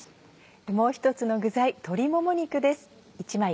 もう１つの具材鶏もも肉です。